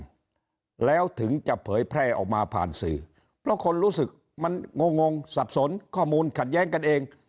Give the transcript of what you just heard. แล้วถึงจะเผยแพร่ออกมาผ่านสื่อเพราะคนรู้สึกมันงงงสับสนข้อมูลขัดแย้งกันเอง